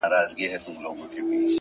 پوهه د محدودیتونو کړکۍ ماتوي’